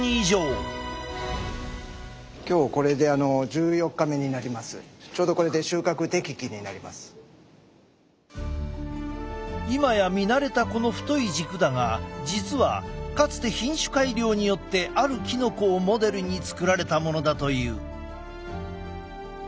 今日これで今や見慣れたこの太い軸だが実はかつて品種改良によってあるキノコをモデルに作られたものだという。